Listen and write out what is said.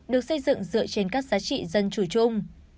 được xây dựng dựa trên các giá trị dân chủ chung